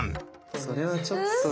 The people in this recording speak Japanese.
それはちょっとね。